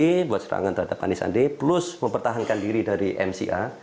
membuat serangan terhadap anisandi plus mempertahankan diri dari mca